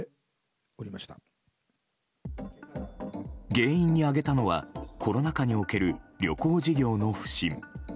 原因に挙げたのはコロナ禍における旅行事業の不振。